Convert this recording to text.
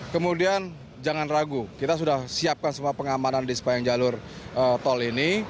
kemudian jangan ragu kita sudah siapkan semua pengamanan di sepanjang jalur tol ini